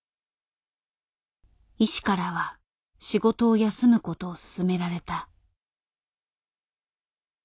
医師からは仕事を休むことを勧められた。